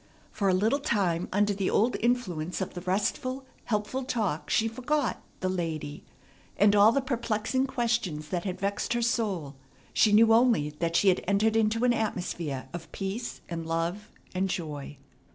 For a little time under the old influence of the restful, helpful talk she forgot "the lady," and all the perplexing questions that had vexed her soul. She knew only that she had entered into an atmosphere of peace and love and joy.